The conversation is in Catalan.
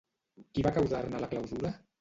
Qui va causar-ne la clausura?